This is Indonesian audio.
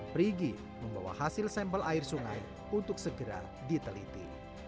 perigi membawa hasil sampel air sungai untuk segera diteliti